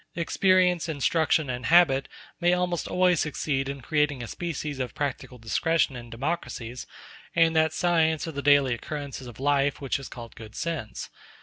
Experience, instruction, and habit may almost always succeed in creating a species of practical discretion in democracies, and that science of the daily occurrences of life which is called good sense.